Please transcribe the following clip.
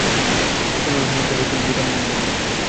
পরে অনুসন্ধান চালিয়ে পুলিশ গুদাম থেকে বুধবার রাতে তাঁদের আটক করে।